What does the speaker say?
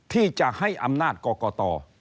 ที่จะให้อำนาจกรกต